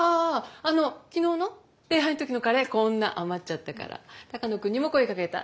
あの昨日の礼拝の時のカレーこんな余っちゃったから鷹野君にも声かけた。